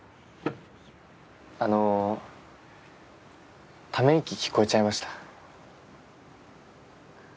あのため息聞こえちゃいました。